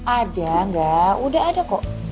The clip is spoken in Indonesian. ada enggak udah ada kok